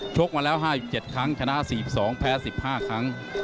กมาแล้ว๕๗ครั้งชนะ๔๒แพ้๑๕ครั้ง